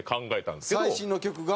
最新の曲が。